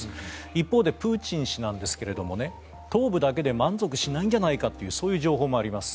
一方でプーチン氏なんですが東部だけで満足しないんじゃないかという情報もあります。